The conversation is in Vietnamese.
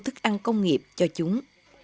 thức ăn công nghiệp cho chúng